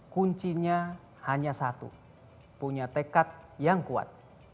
kuncinya hanya satu punya tekad yang kuat